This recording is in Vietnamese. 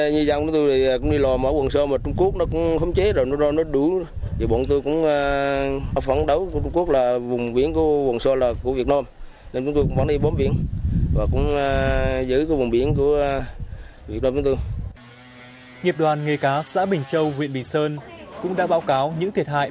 nghiệp đoàn nghề cá xã bình châu huyện bình sơn cũng đã báo cáo những thiệt hại